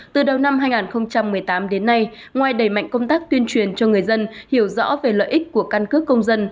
từ đầu năm hai nghìn một mươi tám đến nay ngoài đầy mạnh công tác tuyên truyền cho người dân hiểu rõ về lợi ích của căn cước công dân